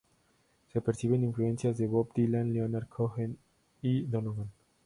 Se perciben influencias de Bob Dylan, Leonard Cohen y Donovan.